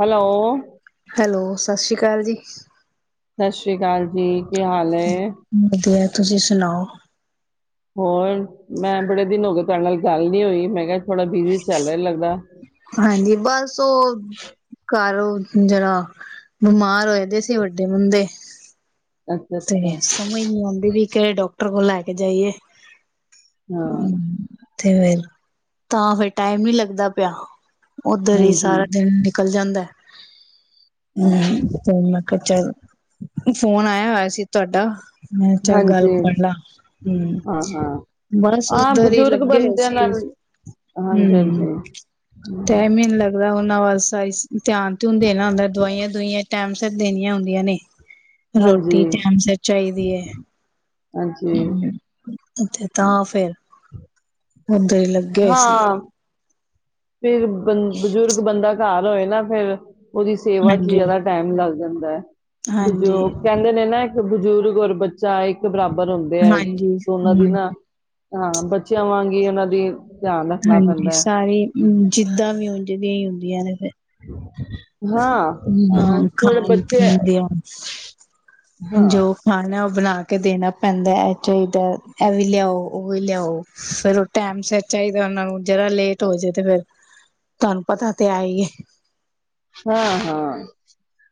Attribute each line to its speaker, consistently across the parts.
Speaker 1: Hello
Speaker 2: hello ਸਤਿ ਸ਼੍ਰੀ ਅਕਾਲ ਜੀ
Speaker 1: ਸਤਿ ਸ੍ਰੀ ਅਕਾਲ ਜੀ ਕੀ ਹਾਲ ਏ?
Speaker 2: ਵਧੀਆ ਤੁਸੀਂ ਸੁਣਾਓ
Speaker 1: ਹੋਰ ਮੈਂ ਬੜੇ ਦਿਨ ਹੋ ਗਏ। ਤੁਹਾਡੇ ਨਾਲ ਗੱਲ ਨੀ ਹੋਈ ਮੈਂ ਕਿਹਾ ਥੋੜਾ ਬਿਜ਼ੀ ਚੱਲ ਰਹੇ ਲੱਗਦਾ।
Speaker 2: ਹਾਂਜੀ, ਬਸ ਉਹ ਘਰ ਓ ਜਰਾ ਬਿਮਾਰ ਹੋਏ ਤੇ ਸੀ ਵੱਡੇ ਬੰਦੇ
Speaker 1: ਅੱਛਾ-ਅੱਛਾ,
Speaker 2: ਤੇ ਸਮਝ ਨੀ ਆਉਂਦੀ ਵੀ ਕੇ ਕਿਹੜੇ ਡਾਕਟਰ ਕੋਲ ਲੈਕੇ ਜਾਈਏ।
Speaker 1: ਹਾਂ।
Speaker 2: ਤੇ ਤਾਂ ਫਿਰ ਟਾਈਮ ਨੀ ਲੱਗਦਾ ਪਿਆ। ਉੱਧਰ ਹੀ
Speaker 1: ਹਾਂਜੀ,
Speaker 2: ਸਾਰਾ ਦਿਨ ਨਿਕਲ ਨਿਕਲ ਜਾਂਦਾ ਹੈ। ਹੂੰ ਮੈਂ ਕਲ ਚਲ ਫੋਨ ਆਇਆ ਹੋਇਆ। ਅਸੀ ਤੁਹਾਡਾ। ਮੈਂ ਚੱਲ, ਗੱਲ
Speaker 1: ਹਾਂਜੀ,
Speaker 2: ਕਰ ਲਾ
Speaker 1: ਹਾਂ-ਹਾਂ।
Speaker 2: ਹੂ ਬਸ
Speaker 1: ਹਾਂ, ਹਾਂ
Speaker 2: ਏਦਰ ਹੀ
Speaker 1: ਬਜ਼ੁਰਗ
Speaker 2: ਲੱਗੇ ਹੋਏ
Speaker 1: ਬੰਦਿਆਂ
Speaker 2: ਸੀ,
Speaker 1: ਨਾਲ
Speaker 2: ਹੂ
Speaker 1: ਹਾਂਜੀ-ਹਾਂਜੀ,
Speaker 2: ਟਾਈਮ ਹੀ ਨਹੀਂ ਲੱਗਦਾ, ਉਹਨਾਂ ਵਲ ਧਿਆਨ-ਧੂਨ ਦੇਣਾ ਹੁੰਦਾ ਦਵਾਈਆਂ- ਦੁਵਾਈਆਂ ਟਾਈਮ ਸਿਰ ਤੇ ਦੇਣੀਆਂ ਹੁੰਦੀਆਂ ਨੇ। ਰੋ [unintelligible]
Speaker 1: ਹਾਂਜੀ,
Speaker 2: ਟਾਈਮ ਸਿਰ ਚਾਹੀਦੀ ਹੈ।
Speaker 1: ਹਾਂਜੀ। ਹਾਂਜੀ
Speaker 2: ਤਾਂ ਫੇਰ। ੳਦਰ ਹੀ ਲੱਗੇ ਹੋਏ ਸੀ।
Speaker 1: ਹਾਂ, ਫਿਰ ਬੰ ਬਜ਼ੁਰਗ ਬੰਦਾ ਘਰ ਹੋਏ ਨਾ ਫੇਰ ਉਹਦੀ ਸੇਵਾ ਚ
Speaker 2: ਹਾਂਜੀ
Speaker 1: ਜ਼ਿਆਦਾ ਟਾਈਮ ਲੱਗ ਜਾਦਾਏ। ਦਾ
Speaker 2: ਹਾਂਜੀ
Speaker 1: ਜੌ ਕਹਿੰਦੇ ਨੇ ਨਾ ਬਜ਼ੁਰਗ ਔਰ ਬੱਚਾ ਇੱਕ ਬਰਾਬਰ ਹੁੰਦੇ ਹੈ
Speaker 2: ਹਾਂਜੀ
Speaker 1: ਦੋਨਾਂ ਦੀ
Speaker 2: ਹੂੰ ।
Speaker 1: ਨਾ ਹਾਂ ਬੱਚਿਆਂ ਵਾਂਗੀ ਉਹਨਾਂ ਦੀ ਧਿਆਨ ਰੱਖਣਾ
Speaker 2: ਹਾਂਜੀ
Speaker 1: ਪੈਂਦਾ ਹੈ
Speaker 2: ਸਾਰੇ ਹੂੰ, ਜਿੱਦਾਂ ਵੀ ਉਝ ਦੀਆਂ ਹੀ ਹੁੰਦੀਆਂ ਨੇ
Speaker 1: ਹਾਂ ਹਾਂ ਥੋੜੇ ਬੱਚੇ
Speaker 2: ਖਾਣ-ਪੀਣ ਦੀਆਂ
Speaker 1: ਹਾਂ
Speaker 2: ਜੋ ਖਾਣਾ, ਉਹ ਬਣਾ ਕੇ ਦੇਣਾ। ਪੈਂਦਾ ਇਹ ਚਾਹੀਦਾ ਇਹ ਵੀ ਲਿਆਓ, ਉਹ ਵੀ ਲਿਆਓ ਫਿਰ ਟੈਮ ਸਿਰ ਚਾਹੀਦਾ ਉਹਨਾ ਨੂੰ ਜਰਾ ਲੇਟ ਹੋ ਜਾਏ ਤੇ ਫੇਰ ਤੁਹਾਨੂੰ ਪਤਾ ਤੇ ਹੈਹੀਏ
Speaker 1: ਹਾਂ ਹਾਂ।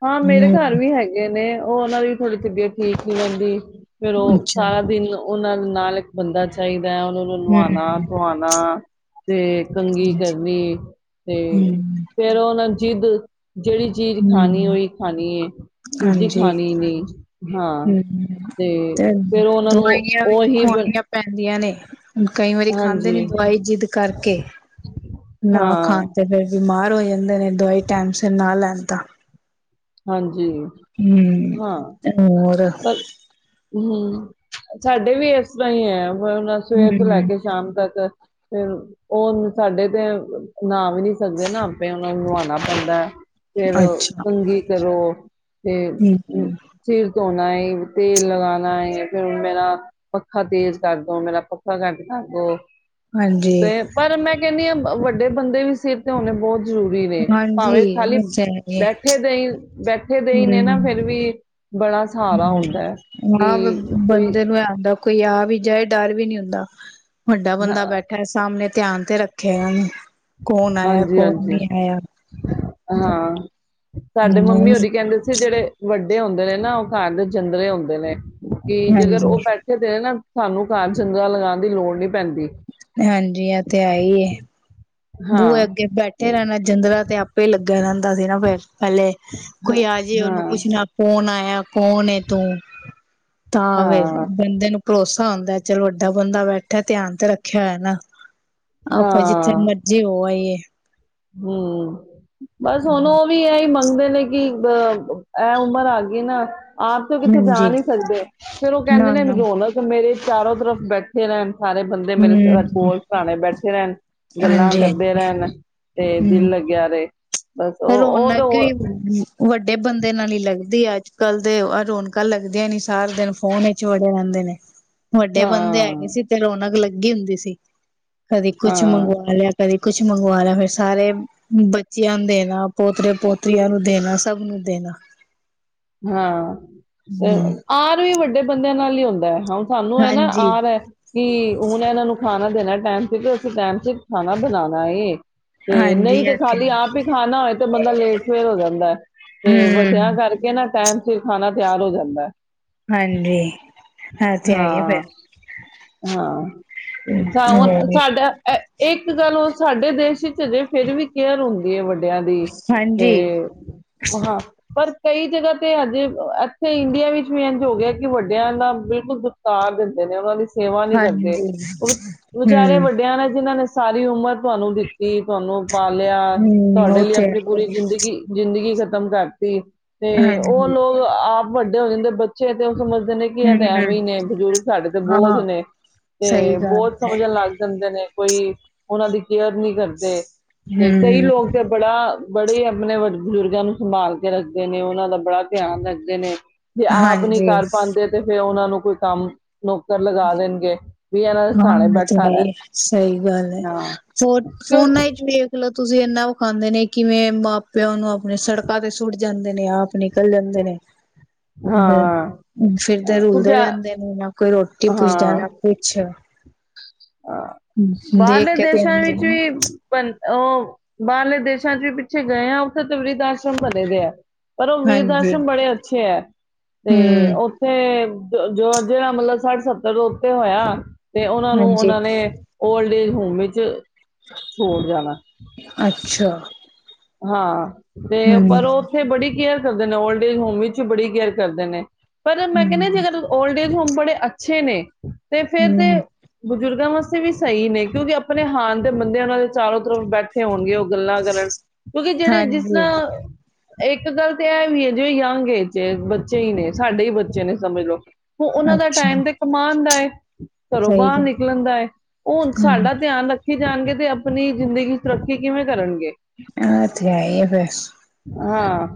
Speaker 1: ਹਾਂ, ਮੇਰੇ ਘਰ
Speaker 2: ਹੂੰ,
Speaker 1: ਵੀ ਹੈਗੇਨੇ ਔ ਔਨਾਂ ਦੀ ਥੋੜ੍ਹੀ ਤਬੀਅਤ ਠੀਕ ਨੀ ਰੇਂਦੀ। ਫੇਰ ਉਹ
Speaker 2: ਅੱਛਾ
Speaker 1: ਸਾਰਾ ਦਿਨ ਉਹਨਾਂ ਦੇ ਨਾਲ ਇੱਕ ਬੰਦਾ ਚਾਈ ਮੈਂ ਔਨਾਂ ਨੂੰ ਨੁਆਣਾ
Speaker 2: ਹੂੰ,
Speaker 1: ਧੁਆਣਾ ਤੇ ਕੰਘੀ
Speaker 2: ਹੂੰ।
Speaker 1: ਕਰਨੀ ਤੇ ਫੇਰ ਉਹਨਾਂ ਜਿੱਦ ਜੜੀ ਚੀਜ਼ ਖਾਣੀ
Speaker 2: ਹੂੰ,
Speaker 1: ਔਈ ਖਾਣੀ ਏ। ਦੂਜੀ
Speaker 2: ਹਾਂਜੀ
Speaker 1: ਖਾਣੀ ਨਈ, ਹਾਂ ਤੇ ਫੇਰ ਉਹਨਾਂ ਨੂੰ ਔਹੀ ਬੰ
Speaker 2: ਦੀਆਂ ਨੇ। ਕਈ ਵਾਰੀ ਖਾਂਦੇ ਨੀ ਦਵਾਈ ਜਿੱਦ ਕਰਕੇ। ਨਾ ਖਾਣ
Speaker 1: ਹਾਂ
Speaker 2: ਤੇ ਬ ਬਮਾਰ ਔ ਈ ਐ ਨਈ ਲੇਂਦੇ ਤੇ ਟਾਈਮ ਸਿਰ ਨਾ ਲੈਣ ਤਾ
Speaker 1: ਹਾਂਜੀ
Speaker 2: ਹੂੰ,
Speaker 1: ਹਾਂ
Speaker 2: ਧਨਵਾ ਰ
Speaker 1: ਨੀ, ਸਾਡੇ ਵੀ ਇਸ ਤਰ੍ਹਾਂ ਈ ਐ। ਨਾ ਸਵੇਰ ਤੋਂ ਲੈ
Speaker 2: ਹੂੰ,
Speaker 1: ਕੇ ਸ਼ਾਮ ਤੱਕ ਫਿਰ ਉਨ ਸਾਡੇ ਤੇ ਨਾਮ ਵੀ ਨੀ ਸਕਦੇ ਨਾ ਆਪੇ ਔ ਔਨਾ ਨੂੰ ਨਵਾਣਾ ਪੈਂਦੈ ਫਿਰ
Speaker 2: ਅੱਛਾ।
Speaker 1: ਕੰਘੀ ਕਰੋ ਤੇ
Speaker 2: ਹੂੰ,
Speaker 1: ਅੰ ਸਿਰ ਧੋਣਾ ਏ, ਤੇਲ ਲਗਾਨਾ ਏ ਫਿਰ ਮੇਰਾ ਪੱਖਾ ਤੇਜ਼ ਕਰਦੋ, ਮੇਰਾ ਪੱਖਾ ਘੱਟ ਕਰਦੋ
Speaker 2: ਹਾਂਜੀ,
Speaker 1: ਫੇਰ ਪਰ ਮੈਂ ਕੇਂਨੀ ਆਂ ਅ ਵੱਡੇ ਬੰਦੇ ਵੀ ਸਿਰ ਤੇ ਹੋਣੇ ਬੋਤ ਜਰੂਰੀ ਨੇ
Speaker 2: ਹਾਂਜੀ
Speaker 1: ਭਾਵੇਂ ਖਾਲੀ
Speaker 2: ਉਹ ਤੇ ਹੈ ਈ ਏ।
Speaker 1: ਬੈਠੇ ਦੇ ਈ, ਬੈਠੇ ਦੇ ਈ ਨੇ ਨਾ ਫੇਰ ਵੀ ਬੜਾ ਸਹਾਰਾ ਹੁੰਦਾ ਹੈ
Speaker 2: ਉ ਨਾ ਗ
Speaker 1: ਕਿ ਕੋਈ
Speaker 2: ਬੰਦੇ ਨੂੰ ਐ ਆਂਦੈ। ਕੋਈ ਆ ਵੀ ਜਾਏ ਡਰ ਵੀ ਨਈ ਹੁੰਦਾ ਵੱਡਾ ਬੰਦਾ
Speaker 1: ਹਾਂ
Speaker 2: ਬੈਠਾ ਏ ਸਾਮਣੇ ਧਿਆਨ ਤੇ ਰੱਖਿਆ ਇਐ ਔਨੇ।
Speaker 1: ਹਾਂਜੀ-ਹਾਂਜੀ, ਹਾਂ ਸਾਡੇ ਮੰਮੀ
Speaker 2: ਹਮ
Speaker 1: ਹੋਰੀ ਕਹਿੰਦੇ ਸੀ ਜਿਹੜੇ ਵੱਡ ਡੇ ਹੁੰਦੇ ਨੇ ਨਾ ਉਹ ਘਾਰ ਦੇ ਜੰਦਰਰੇ ਹੁੰਦੇ ਨੇ ਕਿ ਜੇਕਰ
Speaker 2: ਹਾਂਜੀ
Speaker 1: ਉਹ ਬੈਠੇ ਦੇ ਐ ਨਾ ਸਾਨੂੰ ਘਰ ਜੰਦਰਾ ਲਗਾਉਣ ਦੀ ਲੋੜ ਨਹੀਂ ਪੈਂਦੀ।
Speaker 2: ਹਾਂਜੀ ਏ ਤੇ ਹੈ ਹੀ ਏ ਬੂਹੇ
Speaker 1: ਹਾਂ
Speaker 2: ਅੱਗੇ ਬੈਠੇ ਰਹਿਣਾ ਜਿੰਦਰਾ ਤੇ ਆਪੇ ਲੱਗੇ ਰਹਿੰਦਾ ਸੀ ਨਾ ਫਿਰ ਪਹਿਲੇ
Speaker 1: ਹਾਂ
Speaker 2: ਕੋਈ ਆ ਜੇ, ਉਹਨੂੰ
Speaker 1: ਹਾਂ
Speaker 2: ਪੁੱਛਣਾ ਕੌਣ ਆਇਆ। ਕੌਣ ਏ ਤੂੰ ਤਾਂ
Speaker 1: ਹਾਂ
Speaker 2: ਫੇਰ ਬੰਦੇ ਨੂੰ ਭਰੋਸਾ ਹੁੰਦਾ ਚੱਲ ਵੱਡਾ ਬੰਦਾ ਬੈਠਾ ਧਿਆਨ ਤੇ ਰੱਖਿਆ ਹੋਇਆ ਨਾ ਆਪਾਂ ਜਿੱਥੇ
Speaker 1: ਹਾਂ
Speaker 2: ਮਰਜੀ ਹੋ ਆਈਏ
Speaker 1: ਹਮ ਬਸ ਹੁਣ ਉਹ ਵੀ ਏ ਹੀ ਮੰਗਦੇ ਨੇ ਨੇ ਕਿ ਅ ਇਹ ਉਮਰ ਆ ਗਈ ਨਾ ਆਪ ਤੇ ਉਹ ਕਿਥੇ ਜਾ
Speaker 2: ਹਾਂਜੀ
Speaker 1: ਨਹੀ ਸਕਦੇ, ਫੇਰ ਉਹ ਕਹਿੰਦੇ ਨੇ
Speaker 2: ਨਾ-ਨਾ
Speaker 1: ਰੌਣਕ ਮੇਰੇ ਚਾਰੋਂ ਤਰਫ ਬੈਠੇ ਰਹਿਣ ਸਾਰੇ ਬੰਦੇ ਮੇਰੇ
Speaker 2: ਹੂੰ
Speaker 1: ਕੋਲ ਸਰਾਣੇ ਬੈਠੇ ਰਹਿਣ ਗੱਲਾਂ ਕਰਦੇ
Speaker 2: ਹਾਂਜੀ-ਹਾਂਜੀ
Speaker 1: ਰਹਿਣ ਤੇ
Speaker 2: ਹੂੰ
Speaker 1: ਦਿਲ ਲੱਗਿਆ ਰਹੇ [unintelligible] ਉਹ ਉਹ ਤੇ
Speaker 2: ਰੌਣਕ
Speaker 1: ਹੋ
Speaker 2: ਵੱਡੇ ਬੰਦੇ ਨਾਲ ਹੀ ਲੱਗਦੀ ਦੀ ਅੱਜ ਕੱਲ ਦੇ ਰੌਣਕਾਂ ਲੱਗਦੀਆਂ ਨੀ ਸਾਰਾ ਦਿਨ ਫੋਨ ਵਿਚ ਵੜੇ ਰਹਿੰਦੇ ਨੇ। ਵੱਡੇ ਬੰਦੇ
Speaker 1: ਹਾਂ
Speaker 2: ਹੈਗੇ ਸੀ ਤੇ ਰੌਣਕ ਲੱਗੀ ਲੱਗੀ ਹੁੰਦੀ ਸੀ। ਕਦੇ ਕੁਛ
Speaker 1: ਹਾਂ
Speaker 2: ਮੰਗਵਾ ਲਿਆ ਕਦੇ ਕੁਛ ਮੰਗਵਾ ਲਿਆ ਫਿਰ ਸਾਰੇ ਬੱਚੇ ਆਉਂਦੇ ਨੇ ਪੋਤਰੇ ਪੋਤਰੀਆਂ ਨੂੰ ਦੇਣਾ ਸਭ ਨੂੰ ਦੇਣਾ।
Speaker 1: ਹਾਂ ਤੇ
Speaker 2: ਹੂੰ
Speaker 1: ਆਰ ਵੀ ਵੱਡੇ ਬੰਦਿਆਂ ਨਾਲ ਹੀ ਹੁੰਦਾ ਹੈ। ਸਾਨੂੰ ਹੈ ਨਾ
Speaker 2: ਹਾਂਜੀ
Speaker 1: ਆਰ ਹੈ। ਕਿ ਹੁਣ ਇਹਨਾਂ ਨੂੰ ਖਾਣਾ ਦੇਣਾ ਟਾਈਮ ਤੇ ਤੇ ਅਸੀ ਟਾਈਮ ਤੇ ਖਾਣਾ ਬਣਾਉਣਾ ਏ ਤੇ ਨਹੀਂ
Speaker 2: ਹਾਂਜੀ
Speaker 1: ਤੇ
Speaker 2: ਆ
Speaker 1: ਖਾਲੀ ਆਪ ਹੀ ਖਾਣਾ ਹੋਏ ਤੇ ਬੰਦਾ ਲੇਟ ਫੇਰ ਹੋ ਜਾਂਦਾ ਤੇ ਵੱਡਿਆਂ
Speaker 2: ਹੂੰ
Speaker 1: ਕਰਕੇ ਨਾ ਟਾਇਮ ਸਿਰ ਖਾਣਾ ਤਿਆਰ ਹੋ ਜਾਂਦਾ।
Speaker 2: ਹਾਂਜੀ ਏਹ ਤੇ ਹੈ ਹੀ
Speaker 1: ਹਾਂ
Speaker 2: ਫਿਰ।
Speaker 1: ਹਾਂ ਹੁਣ ਸਾਡਾ ਇੱਕ ਗੱਲ ਹੋ ਸਾਡੇ ਦੇਸ਼ ਵਿੱਚ ਅਜੇ ਫਿਰ ਵੀ ਕੇਅਰ ਹੁੰਦੀ ਹੈ ਵੱਡਿ ਆਂ ਦੀ ਤੇ
Speaker 2: ਹਾਂਜੀ
Speaker 1: ਹਾਂ ਪਰ ਕਈ ਜਗ੍ਹਾ ਤੇ ਅੱਜ ਇੱਥੇ ਇੰਡੀਆ ਵਿੱਚ ਵੀ ਇੰਝ ਹੋ ਗਿਆ ਕਿ ਵੱਡਿਆਂ ਨਾਲ ਬਿਲਕੁਲ ਦੁਦਕਾਰ ਦਿੰਦੇ ਨੇ ਉਹਨਾਂ ਦੀ ਸੇਵਾ ਨੀ ਕਰਦੇ
Speaker 2: ਹਾਂਜੀ
Speaker 1: ਉਹ ਵਿਚਾਰੇ
Speaker 2: ਹੂੰ
Speaker 1: ਵੱਡਿਆਂ ਨੇ ਜਿਹਨਾਂ ਨੇ ਸਾਰੀ ਉਮਰ ਤੁਹਾਨੂੰ ਦਿੱਤੀ ਤੁਹਾਨੂੰ ਪਾਲਿਆ
Speaker 2: ਹੂੰ
Speaker 1: ਤੁਹਾਡੇ
Speaker 2: ਉਹ
Speaker 1: ਲਈ
Speaker 2: ਤੇ
Speaker 1: ਆਪਣੀ
Speaker 2: ਹੈ
Speaker 1: ਪੂਰੀ ਜ਼ਿੰਦਗੀ-ਜ਼ਿੰਦਗੀ ਖਤਮ ਕਰਤੀ
Speaker 2: ਹੀ
Speaker 1: ਤੇ ਉਹ
Speaker 2: ਹਾਂਜੀ
Speaker 1: ਲੋਕ ਆਪ ਵੱਡੇ ਹੋ ਜਾਂਦੇ ਬੱਚੇ ਤੋ ਸਮਝਦੇ ਨੇ ਕਿ ਇਹ ਤੇ
Speaker 2: ਹੂੰ
Speaker 1: ਐਵੇਂ ਹੀ ਨੇ ਬਜ਼ੁਰਗ ਸਾਡੇ ਤੇ
Speaker 2: ਹਾਂ
Speaker 1: ਬੋਛਨੇ ਤੇ
Speaker 2: ਸਹੀ ਗੱਲ
Speaker 1: ਬੌਛ
Speaker 2: ਹੈ
Speaker 1: ਸਮਝਣ ਲੱਗ ਜਾਂਦੇ ਨੇ। ਕੋਈ ਉਹਨਾਂ ਦੀ ਕੇਅਰ ਨੀ ਕਰਦੇ ਤੇ ਕਈ
Speaker 2: ਹੂੰ
Speaker 1: ਲੋਕ ਤੇ ਬੜਾ ਬੜੇ ਆਪਣੇ ਵੱਡੇ ਬਜ਼ੁਰਗਾਂ ਨੂੰ ਸੰਭਾਲ ਕੇ ਰੱਖਦੇ ਨੇ ਉਹਨਾਂ ਦਾ ਬੜਾ ਧਿਆਨ ਰੱਖਦੇ ਨੇ। ਜੇ ਆਪ ਨਹੀਂ
Speaker 2: ਹਾਂਜੀ
Speaker 1: ਕਰ ਪਾਉਂਦੇ ਤੇ ਫਿਰ ਉਹਨਾਂ ਨੂੰ ਕੋਈ ਕੰਮ ਨੌਕਰ ਲਗਾ ਦੇਣਗੇ। ਵੀ ਇਹਨਾਂ ਦੇ ਸਹਾਣੇ
Speaker 2: ਹਾਂ,
Speaker 1: ਬੈਠਾ ਰਹਿ
Speaker 2: ਤਾਂਹੀ ਸਹੀ ਗੱਲ ਹੈ
Speaker 1: ਹਾਂ ਕਿਉਂ
Speaker 2: ਫੋਨ-ਫੋਨਾਂ ਵਿੱਚ ਵੇਖਲੋ ਤੁਸੀਂ ਇੰਨਾ ਵਖਾਂਦੇ ਨੇ ਕਿਵੇਂ ਮਾਂ ਪਿਓ ਨੂੰ ਤੇ ਸੜਕਾਂ ਤੇ ਸੁੱਟ ਜਾਨ ਦਿਨੇ ਆਪ ਨਿਕਲ ਜਾਂਦੇ ਨੇ।
Speaker 1: ਹਾਂ
Speaker 2: [unintelligible] ਫਿਰਦੇ
Speaker 1: ਕੁਝ
Speaker 2: ਰੁਲਦੇ
Speaker 1: ਹਾਂ
Speaker 2: ਰਹਿੰਦੇ ਨੇ ਨਾ ਕੋਈ ਰੋ [unintelligible]
Speaker 1: ਹਾਂ,
Speaker 2: ਦੇਖ
Speaker 1: ਬਾਹਰਲੇ
Speaker 2: ਕੇ ਤੇ
Speaker 1: ਦੇਸਾਂ
Speaker 2: ਹਾਂਜੀ
Speaker 1: ਵਿੱਚ ਵੀ ਬੰ ਉਹ ਬਾਹਰਲੇ ਦੇਸਾਂ ਚ ਵੀ ਪਿੱਛੇ ਗਏ ਆ। ਉੱਥੇ ਤਾਂ ਵਰਿਧ ਆਸ਼ਰਮ ਬਣੇ ਪਏਐ। ਪਰ, ਉਹ ਵਿਰਧ
Speaker 2: ਹੂੰ
Speaker 1: ਆਸ਼ਰਮ ਬੜੇ ਅੱਛੇ ਐ, ਤੇ ਉੱਥੇ ਜੋ-ਜੋ ਜਿਹੜਾ ਮਤਲਬ ਸੱਠ-ਸੱਤਰ ਤੋਂ ਉੱਤੇ ਹੋਇਆ। ਤੇ ਉਹਨਾਂ ਨੂੰ
Speaker 2: ਹਾਂਜੀ
Speaker 1: ਤੇ ਓਲਡ ਏਜ ਹੋਮ ਵਿੱਚ ਛੋੜ ਜਾਣਾ
Speaker 2: ਅੱਛਾ।
Speaker 1: ਹਾਂ।
Speaker 2: ਹੂੰ,
Speaker 1: ਤੇ ਪਰ ਉਹ ਉੱਥੇ ਬੜੀ ਕੇਅਰ ਕਰਦੇ ਨੇ। ਓਲਡ ਏਜ ਹੋਮ ਵਿੱਚ ਬੜੀ ਕੇਅਰ ਕਰਦੇ ਨੇ। ਪਰ ਮੈਂ ਕਹਿੰਦੀ ਆ
Speaker 2: ਹੂੰ,
Speaker 1: ਜੇਕਰ ਓਲਡ ਏ [unintelligible] ਬੜੇ ਅੱਛੇ ਨੇ ਤੇ ਫੇਰ ਤੇ
Speaker 2: ਹੂੰ
Speaker 1: ਬਜ਼ੁਰਗਾਂ ਵਾਸਤੇ ਉੱਥੇ ਵੀ ਸਹੀ ਨੇ ਕਿਉਂਕਿ ਆਪਣੇ ਹਾਨ ਦੇ ਬੰਦਿਆਂ ਨਾਲ ਚਾਰੋ ਤਰਫ ਬੈਠੇ ਹੋਣਗੇ ਉਹ। ਗੱਲਾਂ ਕਰਣ ਕਿਉਂਕਿ ਜਿਹੜੇ ਜਿਸ
Speaker 2: ਹਾਂਜੀ
Speaker 1: ਨਾ ਇੱਕ ਗੱਲ ਤੇ ਇਹ ਵੀ ਹੈ ਜਿਵੇਂ ਯੰਗ ਏਜ ਏ ਬੱਚੇ ਈ ਨੇ, ਸਾਡੇ ਵੀ ਬੱਚੇ ਨੇ ਸਮਝ ਲਉ ਉਹ ਉਹਨਾਂ ਦਾ
Speaker 2: ਅੱਛਾ
Speaker 1: ਟਾਈਮ ਤੇ ਕਮਾਉਣ ਦਾ ਏ ਘਰੋਂ
Speaker 2: ਸਹੀ
Speaker 1: ਬਾਹਰ
Speaker 2: ਗੱਲ
Speaker 1: ਨਿਕਲਣ ਦਾ ਏ ਉਹ ਹੁਣ
Speaker 2: ਹੂੰ
Speaker 1: ਸਾਡਾ ਧਿਆਨ ਰ [unintelligible] ਜਾਣਗੇ ਤੇ ਆਪਣੀ ਜ਼ਿੰਦਗੀ ਚ ਤਰੱਕੀ ਕਿਵੇਂ ਕਰਨਗੇ
Speaker 2: ਆ ਐਥੇ ਆਈ ਆ ਬਸ
Speaker 1: ਹਾਂ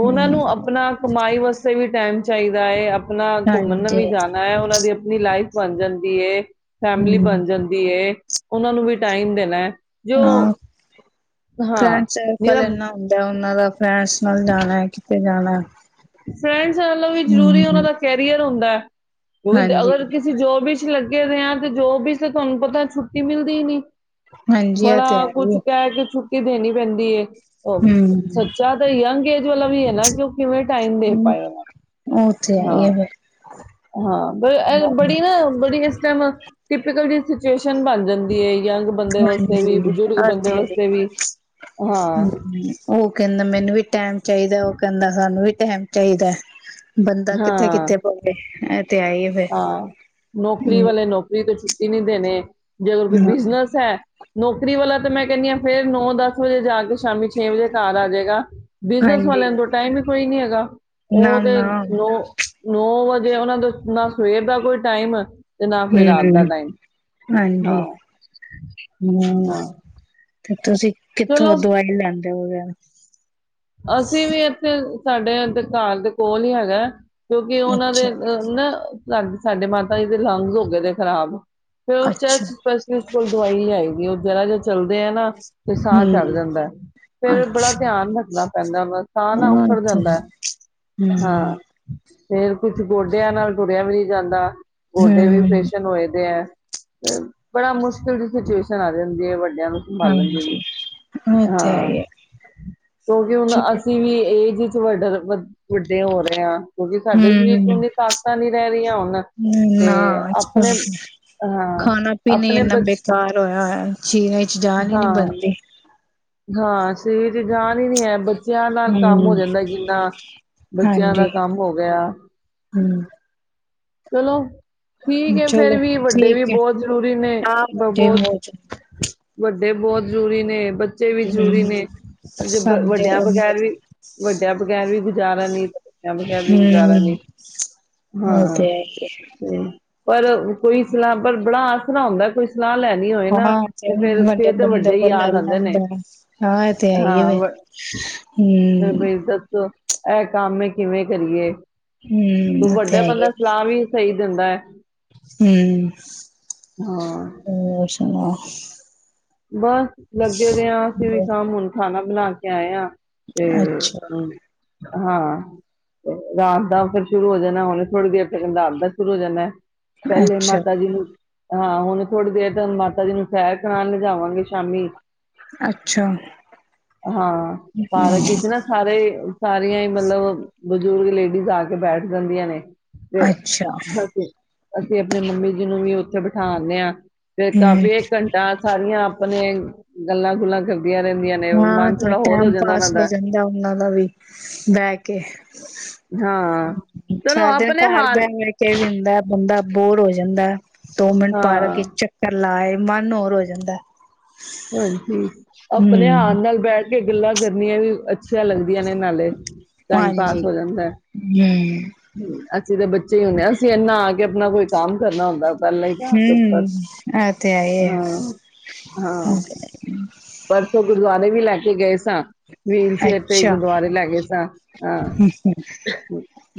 Speaker 1: ਉਹਨਾਂ ਨੂੰ ਆਪਣਾ ਕਮਾਈ ਵਾਸਤੇ ਵੀ ਟਾਈਮ ਚਾਹੀਦਾ ਏ [unintelligible] ਆਪਣਾ ਘੁੰਮਣ ਨੂੰ
Speaker 2: ਹਾਂਜੀ
Speaker 1: ਵੀ ਜਾਣਾ ਹੈ ਉਹਨਾਂ ਦੀ ਆਪਣੀ ਲਾਈਫ ਬਣ ਜਾਂਦੀ ਏ ਫੈਮਲੀ
Speaker 2: ਹੂੰ
Speaker 1: ਬਣ ਜਾਂਦੀ ਹੈ ਉਹਨਾਂ ਨੂੰ ਵੀ ਟਾਈਮ ਦੇ [unintelligible] ਜੋ
Speaker 2: ਹਾਂ
Speaker 1: ਹਾਂ
Speaker 2: ਫਰੈਂਡ
Speaker 1: ਮੇਰਾ
Speaker 2: ਸਰਕਲ [unintelligible] [unintelligible] [inaudible]
Speaker 1: ਫਰੈਂਡਸ ਨਾਲੋਂ ਵੀ ਜ਼ਰੂਰੀ ਉਹਨਾਂ
Speaker 2: ਹੂੰ
Speaker 1: ਦਾ ਕੈਰੀਅਰ ਹੁੰਦਾ ਹੈ ਕਿਉਂਕ
Speaker 2: ਹਾਂਜੀ
Speaker 1: ਅਗਰ ਕਿਸੀ ਜੋ ਵੀ ਲੱਗੇ ਦੇ ਆ ਤੇ ਜੋ ਵੀ ਤੁਹਾਨੂੰ ਪਤਾ ਛੁੱਟੀ ਮਿਲਦੀ ਨ
Speaker 2: ਹਾਂਜੀ ਇਹ
Speaker 1: ਬੜਾ
Speaker 2: ਤੇ ਹੈ ਹੀ
Speaker 1: ਕੁੱਛ ਕਹਿ ਕੇ ਛੁੱਟੀ ਦੇਣੀ ਪੈਂਦੀ ਏ ਉਹ
Speaker 2: ਹੂੰ
Speaker 1: ਸੱਚਾ ਤਾਂ ਯੰਗ ਏਜ ਵਾਲਾ ਵੀ ਹੈ ਨਾ ਕਿ ਉਹ ਕਿਵੇਂ ਟਾਈਮ ਦੇ ਪਾਏ
Speaker 2: ਉਹ ਤੇ ਹੈ
Speaker 1: ਹਾਂ
Speaker 2: ਹੀ ਆ
Speaker 1: ਹਾਂ ਪਰ ਬੜੀ ਨਾ ਬੜੀ ਟਿਪਕਲ ਜਿ ਸਿਚੁਏਸ਼ਨ ਬਣ ਜਾਂਦੀ ਹੈ ਯੰਗ ਬੰਦੇ ਵਾਸਤੇ ਵੀ
Speaker 2: ਹਾਂਜੀ
Speaker 1: ਬਜ਼ੁਰਗ
Speaker 2: ਆ
Speaker 1: ਬੰਦੇ
Speaker 2: ਤੇ
Speaker 1: ਵਾਸਤੇ ਵੀ ਹਾਂ
Speaker 2: ਹਮ ਉਹ ਕਹਿੰਦਾ ਮੈਨੂੰ ਵੀ ਟੈਮ ਚਾਹੀਦਾ ਉਹ ਕਹਿੰਦਾ ਸਾਨੂੰ ਵੀ ਟਮ ਚਾਹੀਦਾ ਹੈ ਬੰਦਾ ਕਿੱਥੇ
Speaker 1: ਹਾਂ
Speaker 2: ਕਿੱਥੇ ਪਵੇ ਤੇ ਆਏ
Speaker 1: ਹਾਂ ਨੌਕਰੀ ਵਾਲੇ ਨੌਕਰੀ ਤੇੁ ਤਨਦੇੇ ਨੇ ਜੇ ਅਗਰ ਕੋਈ
Speaker 2: ਫਿਰ ਹ
Speaker 1: ਬਿਜਨਸ ਹੈ ਨੌਕਰੀ ਵਾਲਾ ਤਾਂ ਮੈਂ ਕਹਿੰਦੀ ਹਾਂ ਫੇਿਰ ਨੌ ਦਸ ਵਜੇ ਜਾ ਕੇ ਸ਼ਾਮੀ ਛੇ ਵਜੇ ਕਾਰਰ ਆ ਜਾੇਗਾ ਬਿਜਨਸ
Speaker 2: ਹਾਂਜੀ
Speaker 1: ਵਾਲਿਆਂ ਤੋਂ ਟਾਈਮ ਕੋਈ ਨੀ ਹੈਗਾ
Speaker 2: ਨਾ
Speaker 1: ਉਹ ਤੇ
Speaker 2: ਨਾ
Speaker 1: ਨੌ ਨੌ ਵਜੇ ਉਹਨਾਂ ਦੇ ਨ ਸੁਏਬ ਕੋਈ ਟਾਈਮ ਆ ਤੇ ਨਾ ਕੋਈ ਰਾਤ ਦਾ
Speaker 2: ਹਮ
Speaker 1: ਟਾਈਮ ਹਾਂ
Speaker 2: ਹਾਂਜੀ ਹਮ
Speaker 1: ਹਾਂ
Speaker 2: ਤੇ ਤੁਸੀਂ ਕਿੱਥੋਂ
Speaker 1: ਚਲੋ
Speaker 2: ਦਵਾਈ ਲੈਂਦੇ ਹੋਗੇ
Speaker 1: ਅਸੀਂ ਵੀ ਇੱਥੇ ਸਾਡੇ ਅਧਿਕਾਰ ਦੇ ਕੋਲ ਹੀ ਹੈਗਾ ਕਿਉਂਕਿ ਉਹਨਾਂ ਦੇ
Speaker 2: ਅੱਛਾ
Speaker 1: ਅ ਨਾ ਸਾਡ ਸਾਡੇ ਮਾਤਾ ਜੀ ਦੇ ਲੰਗਸ ਹੋ ਗਏ ਨੇ ਖਰਾਬ ਫ
Speaker 2: ਅੱਛਾ
Speaker 1: ਚਰਚ ਪਸ ਬਿਲ ਕੋਲ ਦਵਾਈ ਆਏਗੀ ਉਹ ਜਰਾ ਜਿ ਚੱਲਦੇ ਆ ਨਾ ਤੇ ਸਾਹ
Speaker 2: ਹਮ
Speaker 1: ਚੜ ਜਾਂਦਾ ਫੇਿਰ ਬੜਾ
Speaker 2: ਅੱਛਾ
Speaker 1: ਧਿਆਨ ਰੱਖਦਾ ਕਹਿੰਦਾ ਹੁੰਦਾ ਸਾਹ ਨਾ
Speaker 2: ਉਹ
Speaker 1: ਉਖੜ
Speaker 2: ਤੇ
Speaker 1: ਜਾਂਦਾ
Speaker 2: ਹਮ
Speaker 1: ਹਾਂ ਫੇਰ ਕੁੱਛ ਗੋਡਿਆਂ ਨਾਲ ਤੁਰਿਆ ਵੀ ਨਹੀਂ ਜਾਂਦਾ ਗੋਡੇ ਵੀ
Speaker 2: ਹਮ
Speaker 1: ਫੇਸ਼ਨ ਹੋਏ ਦੇ ਹੈ ਤੇ ਬੜਾ ਮੁਸ਼ਕਿਲ ਦੀ ਸਿਚੁਏਸ਼ਨ ਆ ਰ ਹੁੰਦੀ ਹੈ ਵ
Speaker 2: ਹਾਂਜੀ ਹ ਇਥੇ ਹੈ
Speaker 1: ਹਾਂ
Speaker 2: ਹੀ
Speaker 1: ਕਿਉਂਕਿ
Speaker 2: ਆ
Speaker 1: ਹੁਣ ਅਸੀਂ ਵੀ ਏਜ ਵਿੱਚ ਵੱਡਰ ਵ ਵੱਡੇ ਹੋ ਰਹੇ ਆ
Speaker 2: ਹਮ
Speaker 1: ਰਹੀਆਂ ਹੁਣ ਤੇ
Speaker 2: ਨਾ
Speaker 1: ਆਪਣੇ
Speaker 2: ਅੱਜਕੱਲ
Speaker 1: ਹਾਂ
Speaker 2: ਖਾਣਾ ਪੀਣਾ
Speaker 1: ਆਪਣੇ
Speaker 2: ਇੰਨਾ
Speaker 1: ਬੱਚ
Speaker 2: ਬੇਕਾਰ ਹੋਇਆ ਹੈ ਚੀਨ ਚ ਜਾਨ ਹੀ ਨੀ
Speaker 1: ਹਾਂ
Speaker 2: ਬਣਦੀ
Speaker 1: ਹਾਂ ਸ ਤੇ ਜਾਣ ਹੀ ਨਹੀਂੀ ਹੈ ਬੱਚਿਆਂ ਨਾਲ ਕੰਮ ਹੋ
Speaker 2: ਹੂੰ।
Speaker 1: ਜਾਂਦਾ ਕਿੰਨਾ ਬੱਚਿਆਂ
Speaker 2: ਹਾਂਜੀ
Speaker 1: ਦਾ ਕੰਮ ਹੋ ਗਿਆ
Speaker 2: ਹੂੰ
Speaker 1: ਚਲੋ ਠੀਕ
Speaker 2: ਚਲੋ
Speaker 1: ਫੇਰ ਵੀ ਵੱਡੇ ਵੀ
Speaker 2: ਠੀਕ ਹੈ
Speaker 1: ਬਹੁਤ ਜ਼ਰੂਰੀ ਨੇ
Speaker 2: ਹਾਂ
Speaker 1: ਬ
Speaker 2: ਵੱਡੇ ਮੌਜ
Speaker 1: ਬਹੁਤ ਵੱਡ ੇ ਬਹੁਤ ਜ਼ਰੂਰੀ ਨੇ ਬੱਚੇ ਵੀ ਜਰੂਰੀ
Speaker 2: ਹੂੰ
Speaker 1: ਨੇ
Speaker 2: ਸਮਝਦੇ
Speaker 1: ਵੱਡਿਆਂ
Speaker 2: ਰਹਿੰਦੇ
Speaker 1: ਬਗੈਰ ਵੀ ਵੱਡਿਆਂ ਬਗ਼ੈਰ ਵੀ ਗੁਜ਼ਾਰਾ ਨੀ ਤੇ ਬੱਚਿਆਂ ਬਗੈਰ ਵੀ ਗੁਜ਼ਾਰਾ
Speaker 2: ਹਾਂ
Speaker 1: ਨੀ
Speaker 2: ਉਹ ਤੇ
Speaker 1: ਹਾਂ
Speaker 2: ਹੈ ਹੀ
Speaker 1: ਤੇ ਪਰ ਕੋਈ ਸਲਾਮ ਪਰ ਬੜਾ ਣਾ ਹਉਂਦਾ ਕੋਈ ਸਲਾਹ ਲੈਣੀ ਹੋਏ ਨਾ
Speaker 2: ਹਾਂ ਤੇ
Speaker 1: ਫਿਰ
Speaker 2: ਮਡੇ
Speaker 1: ਫਿਰ ਤੇ
Speaker 2: ਬੰਦ
Speaker 1: ਵੱਡੇ ਹੀ
Speaker 2: ਕੋ ਲ
Speaker 1: ਯਾਦ ਆਉਂਦੇ ਨੇ
Speaker 2: ਲਦਾ ਹਾਂ ਇ ਤੇ ਆਈਏਵੇ
Speaker 1: ਫ ਬੇਜਦਾ ਇਹ ਕੰਮ ਕਿਵੇਂ ਕਰੀਏ
Speaker 2: ਹੂੰ
Speaker 1: ਤ
Speaker 2: ਉਹ
Speaker 1: ਵੱਡਾ ਬੰਦਾ ਸਲਾਹ ਵੀ ਸਹੀ ਜਾਂਦਾ ਹੈ
Speaker 2: ਹਮ
Speaker 1: ਹਾਂ
Speaker 2: ਹੋ ਸੁਣਾ
Speaker 1: ਬੱਸ ਲੱਗੇ ਦੇ ਹਾਂ ਅਸੀਂ ਵੀ ਕੰਮ ਹੁਣ ਖਾਣਾ ਬਣਾ ਕੇ ਜਾਇ ਤੇ
Speaker 2: ਅੱਛਾ
Speaker 1: ਹ ਹਾਂ ਰਾਤ ਦਾ ਫਿਰ ਸ਼ੁਰੂ ਹੋ ਜਾਣਾ ਹੁਣ ਥੋੜ੍ਹੀ ਦੇਰ ਤੱਕ ਰਾਤ ਦਾ ਸ਼ੁਰੂ ਹੋ ਜਾਣਾ ਪਹਿਲੇ
Speaker 2: ਅੱਛਾ
Speaker 1: ਮਾਤਾ ਜੀ ਨੂੰ ਹਾਂ ਹੁਣ ਥੋੜੀ ਦੇਰ ਮਾਤਾ ਜੀ ਨੂੰ ਸੈਰ ਕਰਾਉਣ ਲੱ ਜਾਵਾਂਗੇ ਸ਼ਾਮੀ
Speaker 2: ਅੱਛਾ।
Speaker 1: ਹਾਂ
Speaker 2: ਹੂੰ,
Speaker 1: ਪਾਰਕ ਵਿੱਚ ਨਾ ਸਾਰੇ ਸਾਰੀਆਂ ਹੀ ਮਤਲਬ ਬਜ਼ੁਰਗ ਲੇਡੀਜ਼ ਆ ਕੇ ਬੈਠ ਜਾਂਦੀਆਂ ਨੇ ਫਿਰ
Speaker 2: ਅੱਛਾ
Speaker 1: ਹਾਂ ਅਸੀਂ ਆਪਣੇ ਮੰਮੀ ਜੀ ਨੂੰ ਵੀ ਉੱਥੇ ਬਿਠਾਦੇ ਹਾਂ ਤੇ
Speaker 2: ਹੂੰ
Speaker 1: ਕਾਫੀ ਘੰਟਾ ਆਪਣੇ ਗੱਲਾਂ ਗੁੱਲਾਂ ਕਰ
Speaker 2: ਹਾਂ ਤੇ ਟੈਮ ਪਾਸ ਹੋ
Speaker 1: ਦਾ
Speaker 2: ਜਾਂਦਾ ਉਹਨਾਂ ਦਾ ਵੀ ਬਹਿ ਕੇ
Speaker 1: ਹਾਂ ਚਲੋ
Speaker 2: ਸਾਰ ਦਿਨ
Speaker 1: ਆਪਣੇ
Speaker 2: ਘਰ ਬਹਿ
Speaker 1: ਹਾਲ
Speaker 2: ਬੈ ਕੇ ਵੀ ਹੁੰਦਾ ਬੰਦਾ ਬੋਰ ਹੋ ਜਾਂਦਾ ਜਾਂੰਦਾ ਦੋ ਮਿੰਟ ਪਾਾਰਗੇ
Speaker 1: ਹਾਂ
Speaker 2: ਚੱਕਰ ਲਾਏ ਮਨ ਹੋਰ ਹੋ ਜਾਂਦਾ ਹਮ
Speaker 1: ਆਪਣੇਿਆਨ ਨਾਲ ਬੈਠ ਕੇ ਗੱਲਾਂ ਕਰਨੀੀਆਂ ਵੀ ਅੱਛਾ ਲੱਗਦਾ ਨੇ ਨਾਲੇ ਟਾਈਮ ਪਾਸ
Speaker 2: ਹਾਂਜੀ
Speaker 1: ਹੋ ਜਾਂਦਾ
Speaker 2: ਹਮ
Speaker 1: ਅਸੀਂ ਦੇ ਬੱਚੇ ਹੀ ਹੁੰਦੇ ਹਾਂ ਅਸੀਂ ਇੰਨਾ ਆ ਕੇ ਆਪਣਾ ਕੋਈ ਕੰਮ ਕਰਨਾ ਹੁੰਦਾ ਪਹਿਲਾਂ ਹੀ ਤਾਂ ਆ ਕੇ ਉੱਪਰ
Speaker 2: ਹਮ ਆਹ ਤੇ ਆਏ
Speaker 1: ਹਾਂ ਹਾਂ ਪਰਸੋਂ ਗੁਰਦੁਆਰੇ ਵੀ ਲੈ ਕੇ ਗਏ ਸਾਂ ਵੀਲ ਚੇਅਰ ਤੇ
Speaker 2: ਅੱਛਾ
Speaker 1: ਗੁਰਦੁਆਰੇ ਲੈ ਗਏ ਸਾਂ ਹਾਂ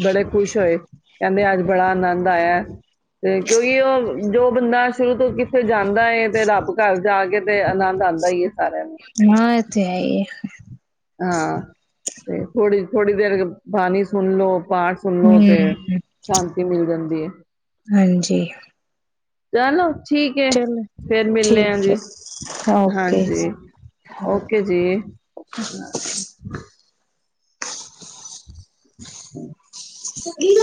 Speaker 1: ਬੜੇ ਖੁਸ਼ ਹੋਏ ਕਹਿੰਦੇ ਅੱਜ ਬੜਾ ਆਨੰਦ ਆਇਆ ਤੇ ਕਿਉਂਕਿ ਉਹ ਜੋ ਬੰਦਾ ਸ਼ੁਰੂ ਤੋਂ ਕਿੱਥੇ ਜਾਂਦਾ ਤੇ ਰੱਬ ਘਰ ਜਾ ਕੇ ਤੇ ਆਨੰਦ ਆਉਂਦਾ ਏ
Speaker 2: ਹਾਂ ਇਹ ਤੇ ਹੈਈ
Speaker 1: ਹਾਂ ਤੇ ਥੋੜੀ ਥੋੜੀ ਦੇਰ ਬਾਣੀ ਸੁਣ ਲਓ ਪਾਠ ਸੁਣੋ ਤੇ
Speaker 2: ਹਮ
Speaker 1: ਸ਼ਾਂਤੀ ਮਿਲ ਜਾਂਦੀ ਤੇ
Speaker 2: ਹਾਂਜੀ
Speaker 1: ਚਲੋ ਠੀਕ ਹੈ
Speaker 2: ਚਲੋ
Speaker 1: ਫੇਿਰ ਮਿਲਲੇ ਆ
Speaker 2: ਠੀਕ
Speaker 1: ਜੀ
Speaker 2: ਹੈ ਓਕੇ
Speaker 1: ਹਾਂਜੀ ਓਕੇ ਜੀ
Speaker 2: [unintelligible] [unintelligible]
Speaker 1: [unintelligible]
Speaker 2: [unintelligible]